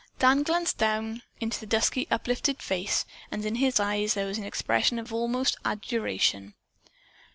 Dan glanced down into the dusky uplifted face and in his eyes there was an expression almost of adoration.